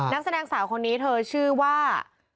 นักแสดงสาวคนนี้เธอชื่อว่า